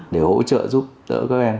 để hỗ trợ giúp đỡ các em